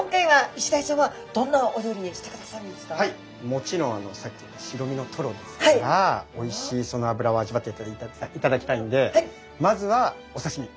もちろんさっき言った白身のトロですからおいしいその脂を味わっていただきたいんでお刺身！